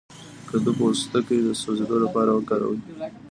د کدو پوستکی د سوځیدو لپاره وکاروئ